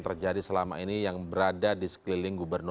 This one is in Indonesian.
kita tahan dulu